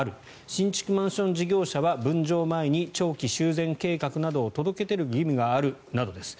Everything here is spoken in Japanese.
新築マンション事業者は分譲前に長期修繕計画などを届け出る義務があるなどです。